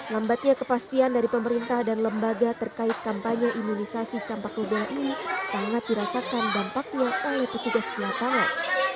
lambatnya kepastian dari pemerintah dan lembaga terkait kampanye imunisasi campak rubella ini sangat dirasakan dampaknya oleh petugas di lapangan